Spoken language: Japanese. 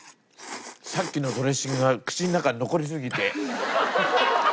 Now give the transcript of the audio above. さっきのドレッシングが口の中に残りすぎて。